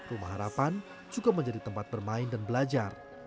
rumah harapan juga menjadi tempat bermain dan belajar